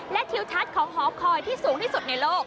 และทิวทัศน์ของหอคอยที่สูงที่สุดในโลก